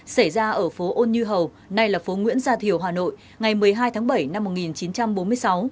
xảy ra ở phố ôn như hầu nay là phố nguyễn gia thiều hà nội ngày một mươi hai tháng bảy năm một nghìn chín trăm bốn mươi sáu